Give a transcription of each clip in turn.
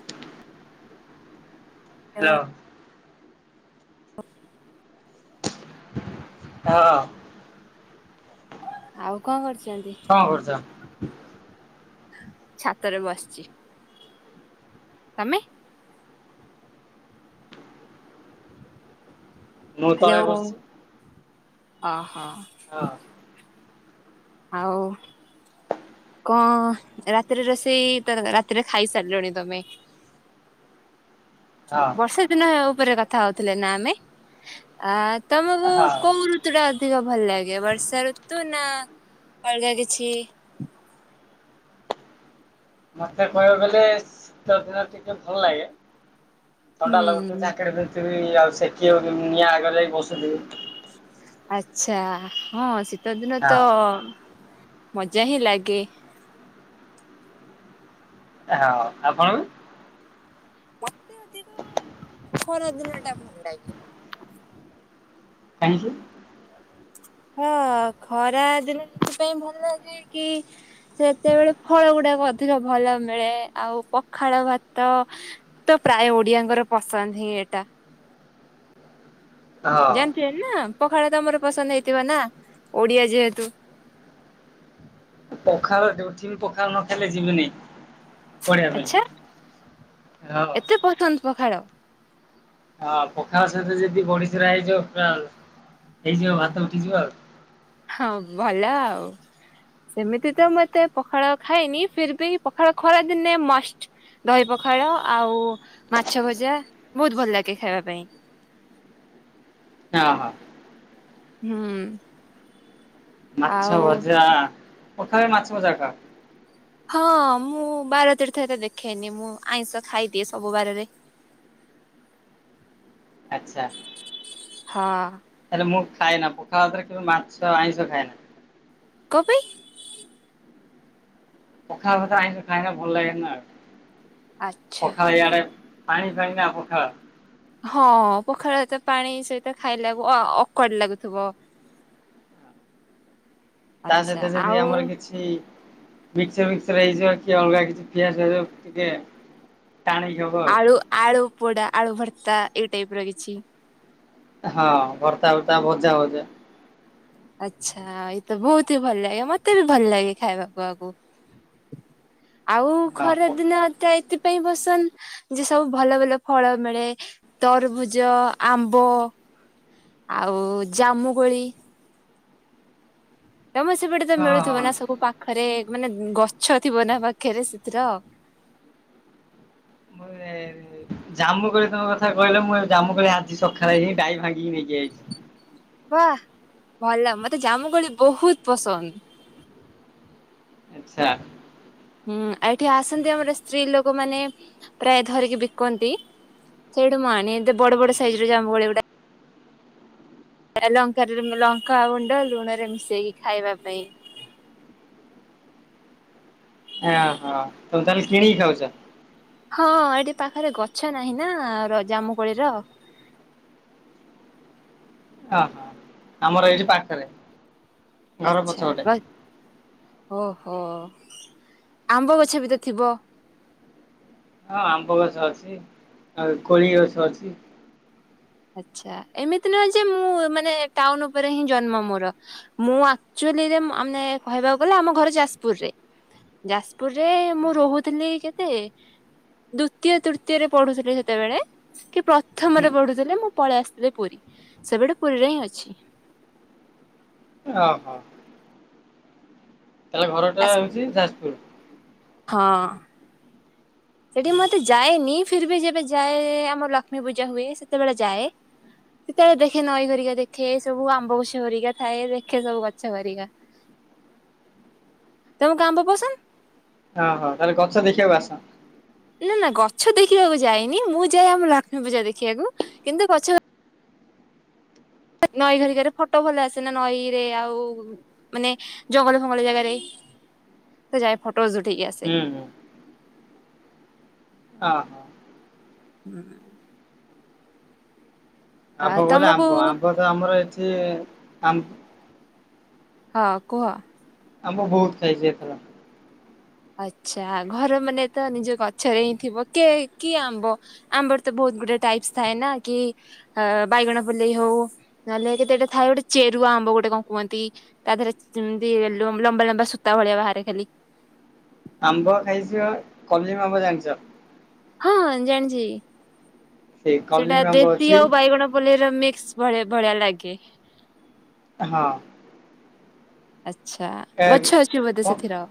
ହ୍ନା ଠାକ୍। ହାଲୋ। ଉଙ୍କ। ହଁ। ଆଉ କଁ କରିଚନ୍ତି। କଁ କରୁଚ। ଛାତରେ ବସିଚି ତମେ। ମୁଁ ତଳେ ହ୍ହାଲୋ ବସିଛି ଅ ହଁ। ହଁ। ଆଉ। କଁ ରାତିରେ ରୋଷେଇ ତ ରାତିରେ ଖାଇସାରିଲଣି ତମେ। ହଁ ବର୍ଷା ଦିନ ଉପରେ କଥା ହଉଥିଲେ ନା ଆମେ ଆ ତମକୁ ହଁ କୋଉ ଋ ଋତୁ ଟା ଅଧିକ ଭଲ ଲାଗେ ବର୍ଷା ଋତୁ ନା ଅଲଗା କିଛି? ମତେ କହିବାକୁ ଗଲେ ଶୀତ ଦିନ ଟିକେ ଭଲ ଲାଗେ। ଥଣ୍ଡା ଲଗୁଥିଵ ହୁଁ। ଜ୍ୟାକେଟ ପିନ୍ଧୁଥିବି ଆଉ ସେକି ହଉଥିବି ମୁଁ ନିଆଁ ଆଗରେ ଯାଇକି ବସୁଥିମି। ଆଛା ହଁ ଶୀତ ଦିନ ହଁ। ତ ମଜା ହିଁ ଲାଗେ। ହଁ ଆପଣୁ। ମତେ ଅଧିକ ଖରାଦିନ ଟା ଭଲ ଲାଗେ। କାହିଁକି? ହଁ ଖରା ଦିନ ଏଥି ପାଇଁ ଭଲ ଲାଗେ କି ସେତେବେଳେ ଫଳ ଗୁଡାକ ଅଧିକ ଭଲ ମିଳେ ଆଉ ପଖାଳ ଭାତ। ତ ପ୍ରାୟ ଓଡିଆଙ୍କର ପସନ୍ଦ ହିଁ ଏଟା। ହଁ ଜାଣିଥଚୁଏନା ପଖାଳ ଭାତ ଆମର ପସନ୍ଦ ହେଇଥିବ ନା ଓଡିଆ ଯେହେତୁ। ପଖାଳ ଡ୍ୟୁଟି କୁ ପଖାଳ ନ ଖାଇଲେ ଯିମିନି। ଆଛା ହଁ। ଏତେ ପସନ୍ଦ ପଖାଳ। ହଁ ପଖାଳ ସହିତ ଯଦି ବଢିଚୁରା ହେଇଯିବ ପ୍ରାଲ୍ ହେଇଯିବ ଭାତ ଉଠିଯିବ ଆଉ। ହଁ ଭଲ ଆଉ। ସେମିତି ତ ମୁଁ ଏତେ ପଖାଳ ଖାୟେନି ଫିର ବି ପଖାଳ ଖରାଦିନେ ମଷ୍ଟ୍। ଦହି ପଖାଳ ଆଉ ମାଛ ଭଜା ବହୁତ୍ ଭଲ ଲାଗେ ଖାଇବା ପାଇଁ। ହଁ ହଁ। ହୁଁ। ମାଛ ଆଉ ଭଜା ପଖାଳେ ମାଛ ଭଜା ଖାଅ। ହଁ ମୁଁ ବାର ତୀର୍ଥ ଏତେ ଦେଖେନି। ମୁଁ ଆଇଁଷ ଖାଇଦିଏ ସବୁ ବାରରେ। ଆଚ୍ଛା। ହଁଅ। ହେଲେ ମୁଁ ଖାଏନା ପଖାଳ ଭାତରେ କେବେ ମାଛ ଆଇଁଷ ଖାଏନା। କଂଅ ପାଇ? ପଖାଳ ଭାତରେ ଆଇଁଷ ଖାଏନା ଭଲ ଲାଗେନା ଆଉ, ଆଚ୍ଛା। ପଖାଳ ଇଆଡେ ପାଣି ଫାଣି ନା ପଖାଳ। ହଁ ପଖାଳ ଏତେ ପାଣି ସେଇତା ଖାଇଲା ଅ-ଅକ୍ୱଆର୍ଡ ଲାଗୁଥିବ। ତା ଆଚ୍ଛା ସହିତ ଯଦି ଆଉ ଆମର କିଛି ଛି ମିକ୍ସଚର ଫିକ୍ସଚର ହେଇଯିବ କି ଅଲଗା କିଛି ପିଆଜ ହେଇଥିବ ଟିକେ ଟାଣିକି ଖାଉ। ଆଳୁ ଆଳୁ ପୋଡା ଆଳୁ ଭର୍ତ୍ତା ଏଇ ଟାଇପର କିଛି। ହଁ ଭର୍ତ୍ତା ବର୍ତ୍ତା ଭଜା ଭଜା ଆଚ୍ଛା ଏଇତ ବୋହୁତ ହି ଭଲ ଲାଗେ ମତେ ବି ଭଲ ଲାଗେ ଖାଇବାକୁ ଆକୁ। [inaudible] ଆଉ ହଁ ପ ଖରା ଦିନଟା ଏଥିପାଇଁ ବସନ୍ଦ ଯେ ସବୁ ଭଲ ଭଲ ଫଳ ମିଳେ। ତରଭୁଜ, ଆମ୍ବ ଆଉ ଜାମୁକୋଳି ତମ ସେପଟେ ତ ହଁ ମିଳୁଥିବ ହଁ। ନା ସବୁ ପାଖରେ ମାନେ ଗଛ ଥିବ ନା ପାଖରେ ସେଥିର। ମୁଁ ଜା [unintelligible] ଏ ଜାମୁ କୋଳି ତମ କଥା କହିଲ‌। ମୁଁ ଏବେ ଜାମୁ କୋଳି ଆଜି ସକାଳେ ଏଇ ଡାହି ଭାଙ୍ଗିକି ନେଇକି ଆଇଚି। ବାଃ ଭଲ ମତେ ଜାମୁକୋଳି ବୋହୁତ ପସନ୍ଦ। ଆଚ୍ଛା। ହୁଁ ଏଇଠି ଆସନ୍ତି ଆମର ସ୍ତ୍ରୀ ଲୋକମାନେ ପ୍ରାୟ ଧରିକି ବିକନ୍ତି। ସେଇଠୁ ମୁଁ ଆଣେ ଏତ ବଡ ବଡ ସାଇଜର ଜାମୁ କୋଳି ଗୋଟା ଆ ଏ ଲଙ୍କାଟାରେ ଲଙ୍କା ଗୁଣ୍ଡ ଲୁଣରେ ମିଶେଇକି ଖାଇବା ପାଇଁ। ଏ ଆଉ ହଁ ତମେ ତାହେଲେ କିଣିକି ଖାଉଚ? ହଁ ଏଠି ପାଖରେ ଗଛ ନାହିଁ ନା ର ଜାମୁକୋଳିର। ଅ ହ ଆମର ଏଇଠି ପାଖରେ ଘର ଆଚ୍ଛା ପଛପଟେ। ର [unintelligible] ଓହୋ ଆମ୍ବ ଗଛ ବି ତ ଥିବ। ହଁ ଆମ୍ବ ଗଛ ଅଛି ଆଉ କୋଳି ଗଛ ଅଛି। ଆଚ୍ଛା ଏମିତି ନୁହଁ ଯେ ମୁଁ ମାନେ ଟାଉନ ଉପରେ ହିଁ ଜନ୍ମ ମୋର। ମୁଁ ଆକଚ୍ୟୋଲିରେ [unintelligible] ମାନେ କହିବାକୁ ଗଲେ ଆମ ଘର ଯାଜପୁରରେ। ଯାଜପୁରରେ ମୁଁ ରହୁଥିଲି କେତେ ଦୁତୀୟ ତୃତୀୟରେ ପଢୁଥିଲି ସେତେବେଳେ କି ପ୍ର କି ହୁଁ। ପ୍ରଥମରେ ପଢୁଥିଲି ମୁଁ ପଳେଇ ଆସିଥିଲି ପୁରୀ ସେବେଠୁ ପୁରିରେ ହିଁ ଅଛି। ଆହ। ତାହେଲେ ଘରଟା ହୋଉଚି ଯାଜପୁର। ହଁ। ସେଠି ମୁଁ ଏତେ ଯାଏନି ଫିର୍ ବି ଯେବେ ଯାଏ ଆମର ଲକ୍ଷ୍ମୀ ପୂଜା ହୁଏ ସେତେବେଳେ ଯାଏ। ସେତେବେଳେ ଦେଖେ ନଈ [unintelligible] ଗରିକା ଦେଖେ ସବୁ ଆମ୍ବ ଗଛ ହେରିକା ଥାଏ ଦେଖେ ସବୁ ଗଛ ହେରିକା। ହ ତମ କୁ ଆମ୍ବ ପସନ୍ଦ? ହଁ ହଁ ତାହେଲେ ଗଛ ଦେଖିବାକୁ ଆସ। ନା ନା ଗଛ ଦେଖିବାକୁ ଯାଇନି ମୁଁ ଯାଏ ଆମ ଲକ୍ଷ୍ମୀ ପୂଜା ଦେଖିବାକୁ କିନ୍ତୁ ଗଛ ନଈ ଘରିକା ରେ ଫଟୋ ଭଲ ଆସେ ନା ନଈ ରେ ଆଉ ମାନେ ଜଙ୍ଗଳ ଫଙ୍ଗଳ ଜାଗାରେ ତ ଯାଏ ଫଟୋଜ୍ ଉଠେଇକି ଆସେ। ହୁଁ ହୁଁ ହଁ। ହୁଁ। ଆ ଆଉ କଣ କହିଲେ ତମକୁ ଆମ୍ବ ଆମ୍ବ ତ ଆମର ଏଠି ଆମ୍ ହଁ କୁହ? ଆମ୍ୱ ବହୁତ୍ ଖାଇଛି ଏଥର। ଆଚ୍ଛା ଘର ମାନେ ତ ନିଜ ଗଛରେ ହିଁ ଥିବ କେ କିଏ ଆମ୍ବ? ଆମ୍ବର ତ ବହୁତ ଗୁଡେ଼ ଟାଇପଶ୍ ଥାଏ ନା କି ବାଇଗଣ ପଲେଇ ହଉ ନହେଲେ କେତେଟା ଥାଏ ଗୋଟେ ଚେରୁଆ ଆମ୍ବ ଗୋଟେ କଣ କୁହନ୍ତି? ତା ଦେହରେ ସେମିତି ଲୁମ ଲମ୍ବା ଲମ୍ବା ସୂତା ଭଳିଆ ବାହାରେ ଖାଲି। ଆମ୍ବ ଖାଇଛ କଲିମ୍ୱି ଆମ୍ବ ଜାଣିଛ? ହଁ ଜାଣିଛି ସେଇ ସେଟା କଲିମ ଆମ୍ବ ଦେଶୀ ଅଛି ଆଉ ବାଇଗଣ ପଲେଇ ର ମିକ୍ସ ଭଳିଆ ଭଳିଆ ଲାଗେ। ହଁ। ଆଚ୍ଛା ଏ ଗଛ ଅଛି ବୋଧେ ସେଥିର?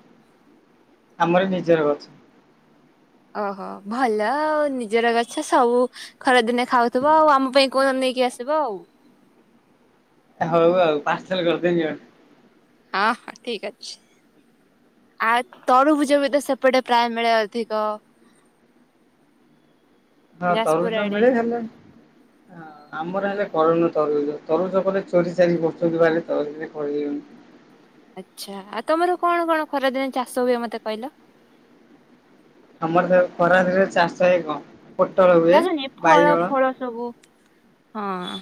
ଆମରି ନିଜର ଗଛ। ଓହୋ ଭଲ ଆଉ ନିଜର ଗଛ ସବୁ ଖରାଦିନେ ଖାଉଥିବ ଆଉ ଆମ ପାଇଁ କୋଉଦିନ ନେଇକି ଆସିବ ଆଉ। ହଉ ଆଉ ପାାର୍ସଲ କରିଦେବି [unintelligible] ହଁ ହଁ ଠିକ୍ ଅଛି। ଆଉ ତରୁଭୁଜ ବି ତ ସେପଟେ ପ୍ରାୟ ମିଳେ ଅଧିକ? ହଁ ଯାଜପୁର ତରୁଭୁଜ ଆଡେ। ମିଳେ ହେଲେ ହଁ। ଆମର ହେଲେ କରନୁ ତରୁଭୁଜ ତରୁଭୁଜ କଲେ ଚୋରି ଚାରି କରୁଛନ୍ତି [unintelligible] ଆଚ୍ଛା ଆଉ ତମର କଣ କଣ ଖରାଦିନେ ଚାଷ ହୁଏ ମତେ କହିଲ? ଆମର ତ ଖରାଦିନେ ଚାଷ ହୁଏ କଣ ପୋଟଳ ହୁଏ ଚାଷନି ଫଳ ବାଇଗଣ। ଫଳ ସବୁ ହଁ।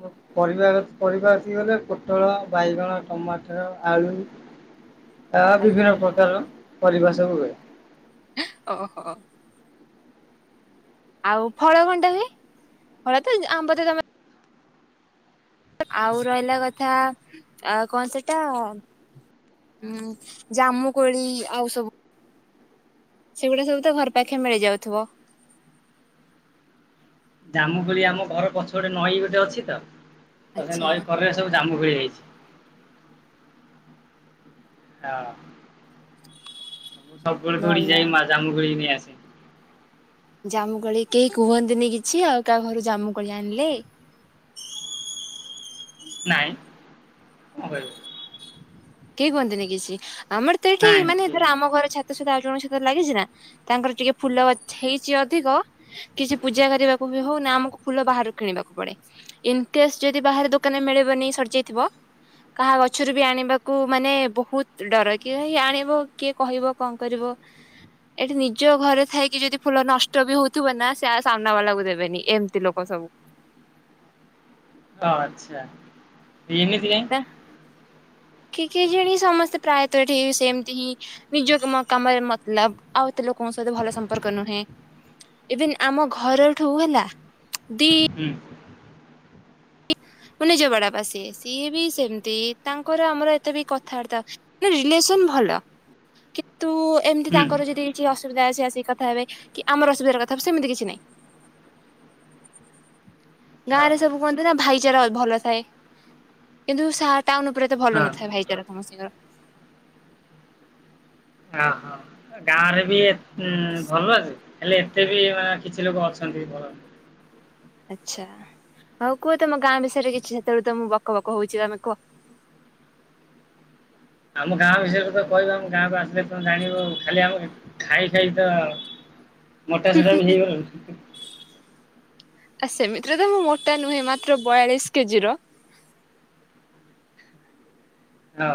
ମୋ ପରିବା ପରିବା ଆସିଗଲେ ପୋଟଳ ବାଇଗଣ ଟମାଟର ଆଳୁ ଆ ବିଭିନ୍ନ ଆଚ୍ଛା। ପ୍ରକାରର ପରିବା ସବୁ ହୁଏ। [unintelligible] ଓହୋ। ଆଉ ଫଳ କନ ଟା ହୁଏ? ଫଳ ତ ଜ ଆମ୍ବ ତ ତମ ଆଉ ରହିଲା କଥା ଆଉ କଣ ସେଟା? ହୁଁ ଜାମୁକୋଳି ଆଉ ସବୁ ସେଗୁଡ଼ା ସବୁ ତ ଘର ପାଖେ ମିଳି ଯାଉଥିବ। ଜାମୁକୋଳି ଆମ ଘର ପଛପଟେ ନଈ ଗୋଟେ ଅଛି ତ ତ ସେ ଆଚ୍ଛା। ନଈ କରରେ ସବୁ ଜାମୁକୋଳି ହେଇଛି ହଁ। ମୁଁ ସବୁବେଳେ ଧୋଉଡ଼ି ଭଲ ଯାଇ ମା ଜାମୁକୋଳି ନେଇ ଆସେ। ଜାମୁକୋଳି କେହି କୁହନ୍ତିନି କିଛି ଆଉ କାହା ଘରୁ ଜାମୁକୋଳି ଆଣିଲେ? ନାଇଁ କଣ କହିବ? କେହି କୁହନ୍ତିନି କିଛି ଆମର ତ ଏଠି ନାଇଁ ମାନେ କିଏ ଧର ଆମ ଘର ଛା ଗଛ ଟା ଆଉ ଜଣଙ୍କ ଛାତରେ ଲାଗିଛି ନା ତାଙ୍କର ଟିକେ ଫୁଲ ଗଛ ହେଇଛି ଅଧିକ କିଛି ପୂଜା କରିବାକୁ ବି ହଉ ନା ଆମକୁ ଫୁଲ ବାହାରୁ କିଣିବାକୁ ପଡ଼େ। ଇନ କେସ୍ ଯଦି ବାହାରେ ଦୋକାନରେ ମିଳିବନି ସଡିଯାଇଥିବ କାହା ଗଛରୁ ବି ଆଣିବା କୁ ମାନେ ବହୁତ ଡର କିଏ [unintelligible] ଆଣିବ କିଏ କହିବ କଣ କରିବ? ଏଠି ନିଜ ଘରେ ଥାଇକି ଯଦି ଫୁଲ ନଷ୍ଟ ବି ହଉଥିବ ନା ସେ ସାମ୍ନା ବାଲାକୁ ଦେବେନି ଏମିତି ଲୋକ ସବୁ। ତ ଆଚ୍ଛା ଏମିତି କାଇଁ। ତା କି କେଜାଣି ସମସ୍ତେ ପ୍ରାୟତଃ ଏଠି ସେମିତି ହିଁ। ନିଜ କା କାମରେ ମତଲବ ଆଉ ଏତେ ଲୋକଙ୍କ ସହିତ ଭଲ ସମ୍ପର୍କ ନୁହେଁ।। ଇଭନ୍ ଆମ ଘରଠୁ ହେଲା ଦି ହୁଁ। ମୋ ନିଜ ବଡବାପା ସିଏ ସିଏ ବି ସେମିତି ତାଙ୍କର ଆମର ଏତେ ବି କଥାବାର୍ତ୍ତା ନା ରିଲେସନ ଭଲ କିନ୍ତୁ ଏମିତି ହୁଁ ତାଙ୍କର ଯଦି କିଛି ଅସୁବିଧା ସେ ଆସିକି କଥା ହେବେ କି ଆମଟ ଅସୁବିଧା କଥା ହେବେ ସେମିତି କିଛି ନାହିଁ। ଗାଁ ରେ ଓହୋ ସବୁ କୁହନ୍ତି ନା ଭାଇଚାରା ଭଲ ଥାଏ କିନ୍ତୁ ସା ଟାଉନ୍ ଉପରେ ତ ଭଲ ହଁ ନଥାଏ ଭାଇଚାରା ସମସ୍ତଙ୍କର। ଅ ହଁ। ଗାଁରେ ବି ଉ ଭଲ ଯେ ହେଲେ ଏତେ ବି ମାନେ କିଛି ଲୋକ ଅଛନ୍ତି ଭଲ। ଆଚ୍ଛା, ହଉ କୁହ ତମ ଗାଁ ବିଷୟରେ କିଛି? ସେତେବେଳେ ତ ମୁଁ ବକ ବକ ହଉଛି ତମେ କୁହ? ଆମ ଗାଁ ବିଷୟରେ ତ କହିବ ଆମ ଗାଁକୁ ଆସିଲେ ତମେ ଜାଣିବ ଖାଲି ଆମେ ଖାଇ ଖାଇ ତ ମୋଟା ସୋଟା ବି ହେଇ ଗଲୁଣି। ଆ ସେମିତିରେ ତ ମୁଁ ମୋଟା ନୁହେଁ ମାତ୍ର ବୟାଳିଶ କେଜି ର। ହଁ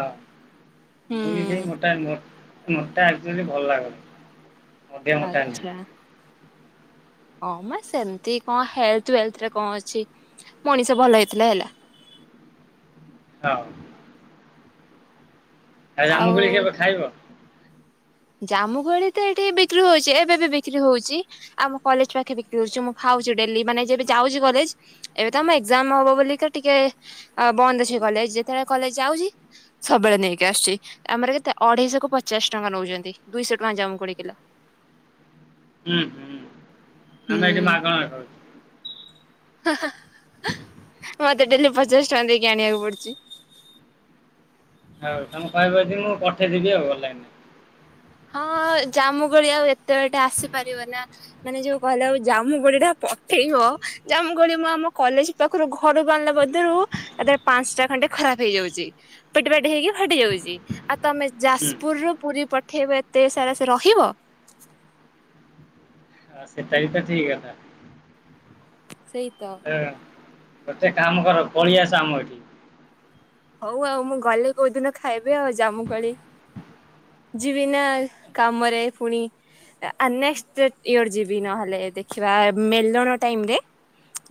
ହୁଁ। ମୁଁ ବି ସେଇ ମୋଟା ନୁହଁ ମୋଟା ଆକଚୁଆଲି ଭଲ ନୁହଁ। ଆଛା। ହଁ ମ ସେମତି କଣ ହେଲଥ ୱେଲଥରେ କଣ ଅଛି ମଣିଷ ଭଲ ହେଇଥିଲେ ହେଲା। ହଁ। ଆଉ ଜାମୁକୁଳି କେବେ ଖାଇବ? ଜାମୁକୁଳି ତ ଏଠି ବିକ୍ରି ହଉଛି, ଏବେ ବି ବିକ୍ରି ହଉଛି। ଆମ କଲେଜ ପାଖେ ବିକ୍ରି ହଉଚି, ମୁଁ ଖାଉଛି ଡେଲି ମାନେ ଯେବେ ଯାଉଛି କଲେଜ ଏବେ ତ ଆମ ଏକ୍ସାମ ହବ ବୋଲି କା ଟିକେ ଆ ବନ୍ଦ ଅଛି କଲେଜ। ଯେତେବେଳେ କଲେଜ ଯାଉଛି ସବୁବେଳେ ନେଇକି ଆସୁଛି ଆମର କେତେ ଅଢେଇଶ କୁ ପଚାଶ ଟଙ୍କା ନଉଛନ୍ତି ଦୁଇଶହ ଟଙ୍କା ଜାମୁକୁଳି କିଲୋ। ହୁଁ ହୁଁ ଆମେ ଏଠି ହୁଁ। ମାଗଣା ଖାଉଛୁ। ହା ହା ମତେ ଡେଲି ପଚାଶ ଟଙ୍କା ଦେଇକି ଆଣିବାକୁ ପଡୁଛି। ହଉ ତମେ କହିବ ଯଦି ମୁଁ ପଠେଇଦବି ଆଉ ଅନଲାଇନରେ। ହଁ ଜାମୁକୁଳି ଆଉ ଏତେ ବାଟ ଆସିପାରିବ ନା। ମାନେ ଯୋଉ କହିଲ ଜାମୁକୁଳି ଟା ପଠେଇବ ଜାମୁକୁଳି ମୁଁ ଆମ କଲେଜ ପାଖରୁ ଘରୁକୁ ଆଣିବା କତୀରୁ ତା ଦେରେ ପାଞ୍ଚଟା ଖଣ୍ଡେ ଖରାପ ହେଇଯାଉଛି। ପେଟି ପାଟି ହେଇକି ଫାଟି ଯାଉଛି। ଆଉ ତମେ ହୁଁ। ଯାଜପୁରରୁ ପୁରୀ ପଟ ପଠେଇବ ଏତେ ସାରା ସେ ରହିବ? ଆଉ ସେଟା ବି ତ ଠିକ କଥା। ସେଇତ। ଗୋଟେ କାମ କର ପଳେଇଆସ ଆମ ଏଇଠିକି। ହଉ ଆଉ ମୁଁ ଗଲେ କୋଉ ଦିନ ଖାଇବି ଆଉ ଜାମୁକୋଲି। ଯିବିନା କାମରେ ପୁଣି। ଆ ନେକ୍ସଟ ଡେଟ୍ ଇୟର ଯିବି ନହେଲେ ଦେଖିବା ମେଲଣ ଟାଇମରେ।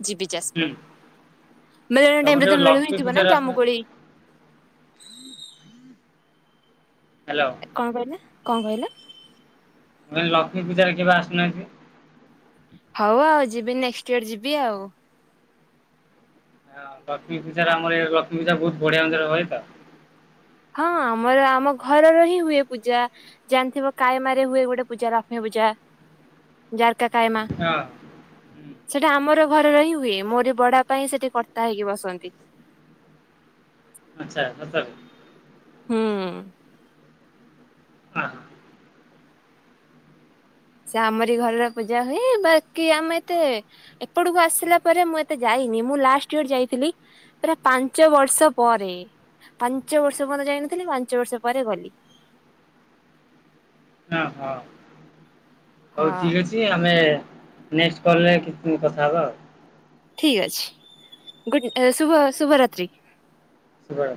ଯିବି ଯାଜପୁର। ହୁଁ ମେଳଣ ତମେ ଟାଇମ ରେ କେବେ ତ ମେଳୁ ହିଁ ଲକ୍ଷ୍ମୀ ଥିବ ନା ପୂଜାରେ ଆସୁନ ଜାମୁକୋଳି? ହ୍ୟାଲୋ। କଣ କହିଲେ କଣ କହିଲ? ମୁଁ କହିଲି ଲକ୍ଷ୍ମୀ ପୂଜାରେ କେବେ ଆସୁ ନାହାଁନ୍ତି? ହଉ ଆଉ ଯିବି ନେକ୍ସଟ ଇୟର ଯିବି ଆଉ। ହଁ ଲକ୍ଷ୍ମୀ ପୂଜାରେ ଆମର ଏ ଲକ୍ଷ୍ମୀ ପୂଜା ବହୁତ୍ ବଢିଆ ହୁଏ ତ। ହଁ ଆମର ଆମ ଘରର ହିଁ ହୁଏ ପୂଜା। ଜାଣିଥିବ କାଏମା ରେ ହୁଏ ଗୋଟେ ପୂଜା ଲକ୍ଷ୍ମୀ ପୂଜା ଜାର୍କା କାଏମା। ହଁ ହୁଁ ସେଟା ଆମର ଘରର ହିଁ ହୁଏ ମୋରି ବଡ ବାପା ହିଁ ସେଠି କର୍ତ୍ତା ହେଇକି ବସନ୍ତି। ଆଚ୍ଛା ସତରେ? ହୁଁ। ଆ ସେ ଆମରି ଘରରେ ପୂଜା ହୁଏ ବାକି ଆମେ ଏତେ ଏପଟକୁ ଆସିଲା ପରେ ମୁଁ ଏତେ ଯାଇନି ମୁଁ ଲାଷ୍ଟ ଇୟର ଯାଇଥିଲି। ପୁରା ପାଞ୍ଚ ବର୍ଷ ପରେ ପାଞ୍ଚ ବର୍ଷ ପର୍ଯ୍ୟନ୍ତ ଯାଇନଥିଲି ପାଞ୍ଚ ବର୍ଷ ପରେ ଗଲି। ହଁ ହଁ ହଁ ହଉ ଠିକ୍ ଅଛି। କି ଆମେ ନେଷ୍ଟ କଲ ରେ କି କଥା ହବା ଆଉ। ଠିକ୍ ଅଛି ଗୁଡ଼୍ ଏ ଶୁଭ ଶୁଭରାତ୍ରି। ଶୁ ରା